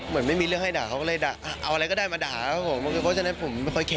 เหมือนไม่มีเรื่องให้ด่าเขาก็เลยด่า